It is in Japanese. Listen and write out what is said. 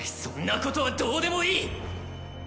そんなことはどうでもいい！